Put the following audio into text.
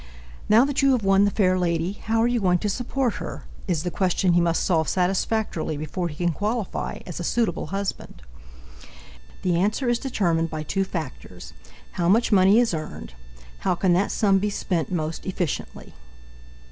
"Now that you have won the fair lady how are you going to support her?" is the question he must solve satisfactorily before he can qualify as a suitable husband. The answer is determined by two factors: "How much money is earned?" "How can that sum be spent most efficiently?"